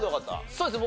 そうですね